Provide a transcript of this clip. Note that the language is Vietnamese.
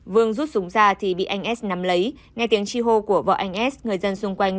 vương rút súng ra thì bị anh s nắm lấy nghe tiếng chi hô của vợ anh s người dân xung quanh